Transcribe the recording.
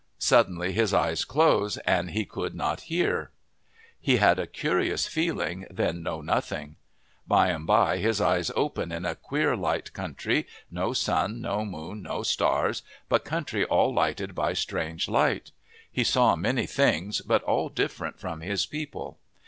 Suddenly his eyes close an' he could not hear. He had a curious feeling, then know nothing. By'm by his eyes open in a queer light country, no sun, no moon, no stars, but country all lighted by strange light. He saw many beings, but all different from his people.